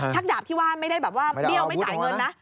ดาบที่ว่าไม่ได้แบบว่าเบี้ยวไม่จ่ายเงินนะ